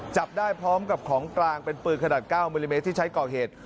จับได้พร้อมกับของกลางเป็นปืนขนาด๙มิลลิเมตรที่ใช้ก่อเหตุ